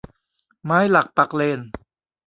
ไม้หลักปักเลน